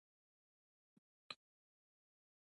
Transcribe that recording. چې مولنا ته د ورځې درې روپۍ خرڅ حواله دي.